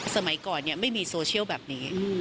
สมัยก่อนไม่มีโซเชียลแบบนี้